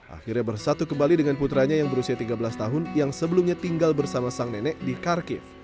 akhirnya bersatu kembali dengan putranya yang berusia tiga belas tahun yang sebelumnya tinggal bersama sang nenek di kharkiv